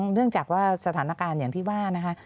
เนื่องจากว่าสถานการณ์อย่างที่ว่านะคะ